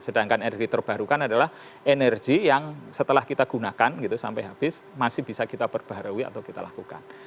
sedangkan energi terbarukan adalah energi yang setelah kita gunakan gitu sampai habis masih bisa kita perbaharui atau kita lakukan